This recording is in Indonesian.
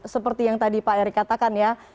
seperti yang tadi pak erick katakan ya